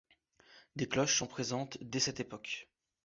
Des cloches sont présentes dès cette époque.